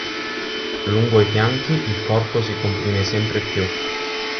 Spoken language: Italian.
Lungo i fianchi il corpo si comprime sempre più.